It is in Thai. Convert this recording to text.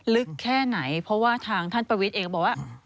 ลึกแค่ไหนเพราะว่าทางท่านประวิทย์เองบอกว่า